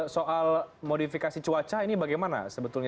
soal modifikasi cuaca ini bagaimana sebetulnya